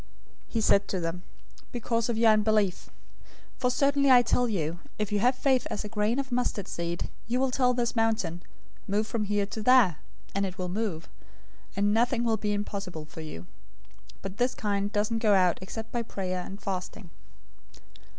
017:020 He said to them, "Because of your unbelief. For most certainly I tell you, if you have faith as a grain of mustard seed, you will tell this mountain, 'Move from here to there,' and it will move; and nothing will be impossible for you. 017:021 But this kind doesn't go out except by prayer and fasting."